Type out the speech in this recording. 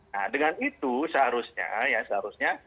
nah dengan itu seharusnya ya seharusnya